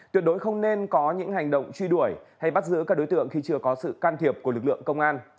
tuyệt đối không nên có những hành động truy đuổi hay bắt giữ các đối tượng khi chưa có sự can thiệp của lực lượng công an